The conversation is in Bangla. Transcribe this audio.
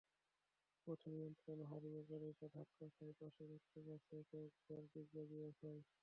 পথে নিয়ন্ত্রণ হারিয়ে গাড়িটা ধাক্কা খায় পাশের একটা গাছে, কয়েকবার ডিগবাজিও খায়।